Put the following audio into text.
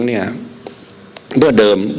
เพราะยังไม่ได้ไปเห็น